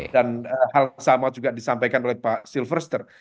dan hal sama juga disampaikan oleh pak silverster